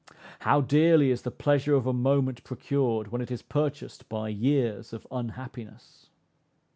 How dearly is the pleasure of a moment procured when it is purchased by years of unhappiness!